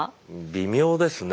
微妙ですね。